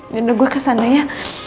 nanti gue kesana ya